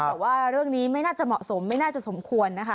แต่ว่าเรื่องนี้ไม่น่าจะเหมาะสมไม่น่าจะสมควรนะคะ